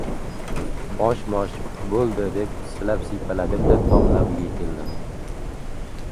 Mosh-Mosh, bo‘ldi... - deb silab-siypaladim-da, tom labiga keldim.